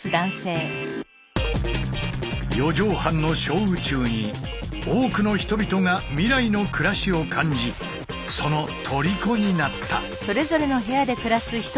四畳半の小宇宙に多くの人々が未来の暮らしを感じそのとりこになった。